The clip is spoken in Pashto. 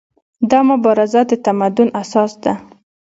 دا مبارزه د تمدن اساس ده.